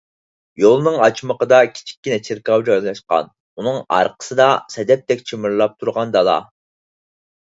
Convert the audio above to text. يولنىڭ ئاچىمىقىدا كىچىككىنە چېركاۋ جايلاشقان. ئۇنىڭ ئارقىسىدا سەدەپتەك جىمىرلاپ تۇرغان دالا.